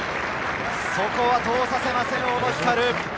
そこは通させません。